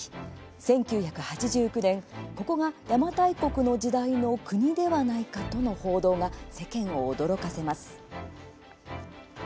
１９８９年、ここが邪馬台国の時代のクニではないかとの報道が世間を驚かせます。